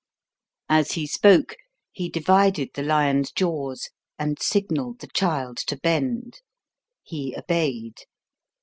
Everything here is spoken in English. As he spoke he divided the lion's jaws and signalled the child to bend. He obeyed.